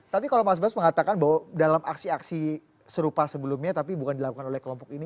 tapi kalau mas bas mengatakan bahwa dalam aksi aksi serupa sebelumnya tapi bukan dilakukan oleh kelompok ini